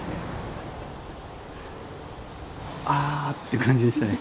あっていう感じでしたね。